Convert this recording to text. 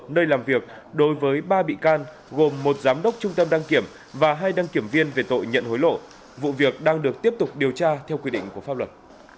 nơi làm việc đối với ba bị can gồm một giám đốc trung tâm đăng kiểm và hai đăng kiểm viên về tội nhận hối lộ vụ việc đang được tiếp tục điều tra theo quy định của pháp luật